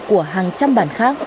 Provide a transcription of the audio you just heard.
của hàng trăm bản khác